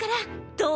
どう？